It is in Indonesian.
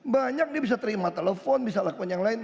banyak dia bisa terima telepon bisa lakukan yang lain